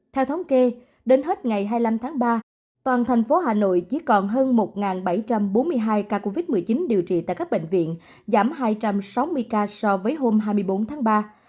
theo thống kê đến hết ngày hai mươi năm tháng ba toàn thành phố hà nội chỉ còn hơn một bảy trăm bốn mươi hai ca covid một mươi chín điều trị tại các bệnh viện giảm hai trăm sáu mươi ca so với hôm hai mươi bốn tháng ba